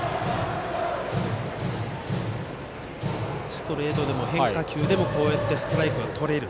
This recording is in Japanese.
ストレートでも変化球でもストライクがとれる。